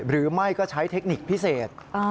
หรือไม่ก็ใช้เทคนิคพิเศษ